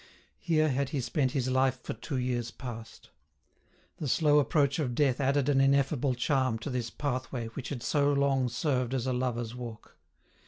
Here had he spent his life for two years past. The slow approach of death added an ineffable charm to this pathway which had so long served as a lovers' walk.